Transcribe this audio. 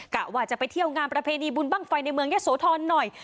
กะว่าจะไปเที่ยวงานประเพณีบุญบ้างไฟในเมืองยะโสธรหน่อย